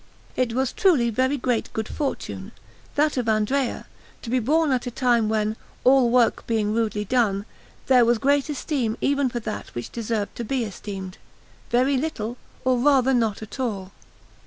It was truly very great good fortune, that of Andrea, to be born at a time when, all work being rudely done, there was great esteem even for that which deserved to be esteemed very little, or rather not at all.